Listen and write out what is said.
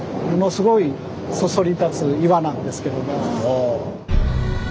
ものすごいそそり立つ岩なんですけども。